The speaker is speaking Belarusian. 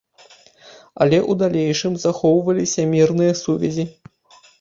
Але ў далейшым захоўваліся мірныя сувязі.